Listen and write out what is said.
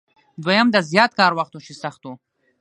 دویم د زیات کار وخت و چې سخت و.